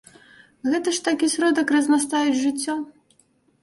Гэта ж такі сродак разнастаіць жыццё.